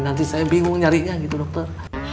nanti saya bingung nyari dia gitu dokter